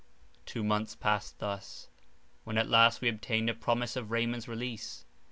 Two months passed thus, when at last we obtained a promise of Raymond's release.